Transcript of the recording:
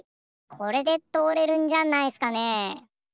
これでとおれるんじゃないっすかね。